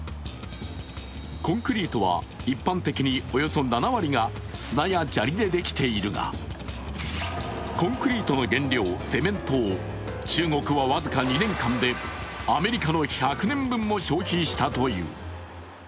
コンクリートは一般的におよそ７割が砂や砂利でできているがコンクリートの原料セメントを中国は僅か２年間でアメリカの１００年分も消費したという。